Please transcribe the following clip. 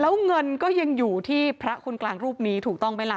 แล้วเงินก็ยังอยู่ที่พระคนกลางรูปนี้ถูกต้องไหมล่ะ